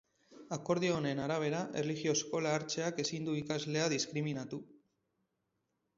Akordio honen arabera, erlijio eskola hartzeak ezin du ikaslea diskriminatu.